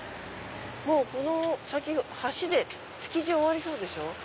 もうこの先橋で築地終わりそうでしょ。